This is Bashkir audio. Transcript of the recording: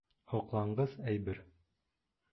Һоҡланғыс әйбер.